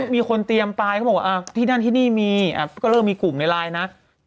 มีคนเตรียมไปเขาบอกว่าที่นั่นที่นี่มีก็เริ่มมีกลุ่มในไลน์นะ